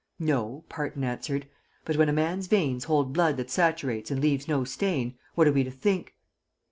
"No," Parton answered; "but when a man's veins hold blood that saturates and leaves no stain, what are we to think?"